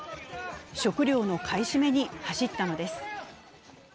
食料の買い占めに走ったのです。